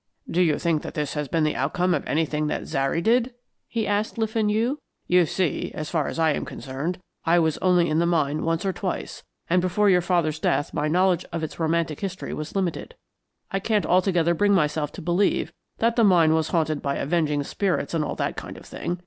"Do you think that this has been the outcome of anything that Zary did?" he asked Le Fenu. "You see, as far as I am concerned, I was only in the mine once or twice, and before your father's death my knowledge of its romantic history was limited. I can't altogether bring myself to believe that the mine was haunted by avenging spirits and all that kind of thing.